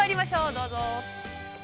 どうぞ。